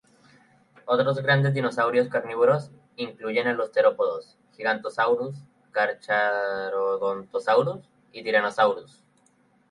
Otros grandes dinosaurios carnívoros incluyen a los terópodos "Giganotosaurus", "Carcharodontosaurus" y "Tyrannosaurus".